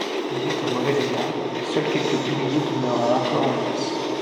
Il est en mauvais état, seuls quelques piliers demeurant encore encore en place.